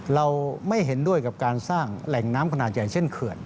เราไม่เห็นด้วยกับการสร้างแหล่งน้ำขนาดใหญ่เช่นเขื่อน